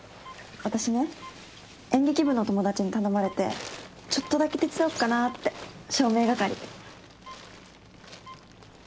私ね演劇部の友達に頼まれてちょっとだけ手伝おうかなって照明係。